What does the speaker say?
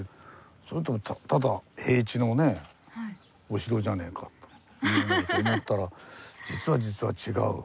そういってもただ平地のお城じゃねえか」と思ったら実は実は違う。